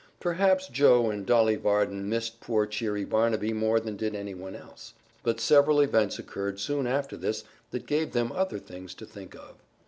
Perhaps Joe and Dolly Varden missed poor cheery Barnaby more than did any one else. But several events occurred soon after this that gave them other things to think of.